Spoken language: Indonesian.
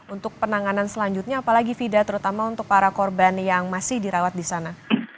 untuk penanganan selanjutnya apalagi fida terutama untuk para korban yang masih dirawat di sana